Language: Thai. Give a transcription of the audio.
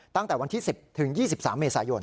ตั้งแต่วันที่๑๐ถึง๒๓เมษายน